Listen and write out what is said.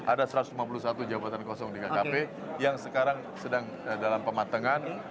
ada satu ratus lima puluh satu jabatan kosong di kkp yang sekarang sedang dalam pematangan